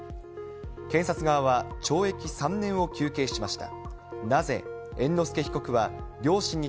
検察側は懲役３年を求刑しました。